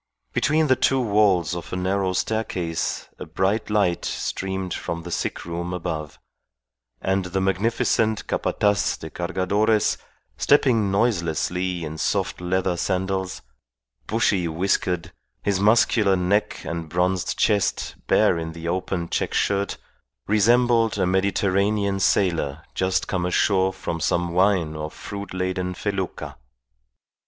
Between the two walls of a narrow staircase a bright light streamed from the sick room above; and the magnificent Capataz de Cargadores stepping noiselessly in soft leather sandals, bushy whiskered, his muscular neck and bronzed chest bare in the open check shirt, resembled a Mediterranean sailor just come ashore from some wine or fruit laden felucca.